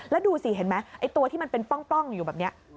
แล้วดูสิเห็นไหมไอ้ตัวที่มันเป็นป้องอยู่แบบนี้